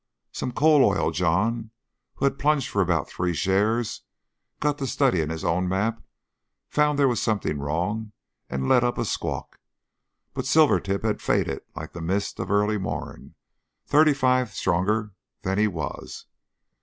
Some Coal oil John, who had plunged for about three shares, got to studying his own map, found there was something wrong and let up a squawk. But Silver Tip had faded like the mists of early morn thirty five stronger than he was.